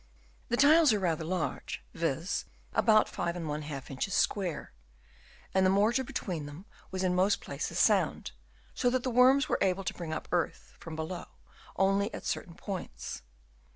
The tiles are rather large, viz., about 5i inches square, and the mortar between them was in most places sound, so that the worms were able to bring up earth from below only at certain points.